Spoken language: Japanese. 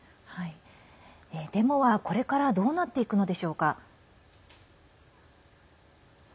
デモは、これからどうなっていくのでしょうか？